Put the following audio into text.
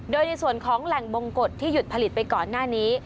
โดยในส่วนของแหล่งบงกฎที่หยุดผลิตไปก่อนหน้านี้